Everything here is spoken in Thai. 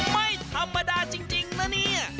ไม่ธรรมดาจริงนะเนี่ย